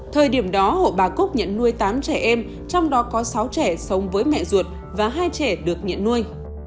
thời điểm đó hộ bà cúc nhận nuôi tám trẻ em trong đó có sáu trẻ sống với mẹ ruột và hai trẻ được nhận nuôi